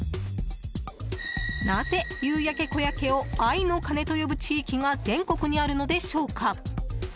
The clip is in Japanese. なぜ、「夕焼け小焼け」を「愛の鐘」と呼ぶ地域が全国にあるのでしょうか。